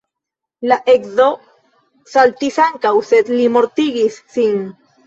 La edzo saltis ankaŭ, sed li mortigis sin.